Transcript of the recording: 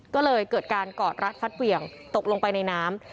ก็เลยเกิดการกอดรัดฟัดเหวี่ยงตกลงไปในน้ำ